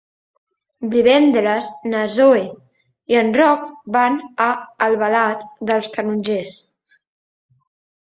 Divendres na Zoè i en Roc van a Albalat dels Tarongers.